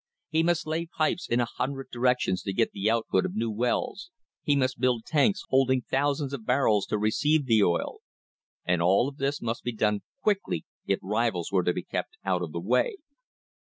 He must lay pipes in a hundred directions to get the output of new wells ; he must build tanks holding thousands of barrels to receive the oil. And all of this must be done quickly if rivals were to be kept out of the way.